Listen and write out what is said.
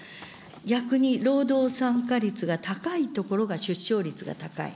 逆に労働参加率が高いところが出生率が高い。